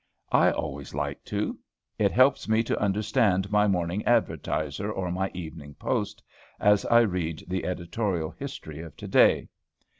I always like to. It helps me to understand my morning "Advertiser" or my "Evening Post," as I read the editorial history of to day.